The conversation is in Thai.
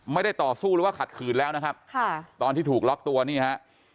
ไม่ได้ต่อสู้หรือว่าขัดขืนแล้วนะครับค่ะตอนที่ถูกล็อกตัวนี่ฮะ